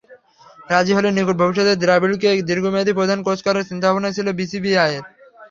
রাজি হলে নিকট ভবিষ্যতে দ্রাবিড়কে দীর্ঘমেয়াদি প্রধান কোচ করার চিন্তাভাবনাই ছিল বিসিসিআইয়ের।